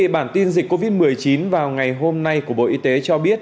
bản tin dịch covid một mươi chín vào ngày hôm nay của bộ y tế cho biết